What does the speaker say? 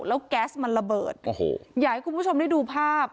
แล้วก๊าร์มลบอดอยากให้คุณผู้ชมได้ดูภาพ